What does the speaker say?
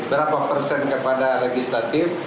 berapa persen kepada legislatif